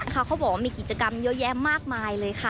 เขาบอกว่ามีกิจกรรมเยอะแยะมากมายเลยค่ะ